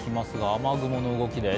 雨雲の動きです。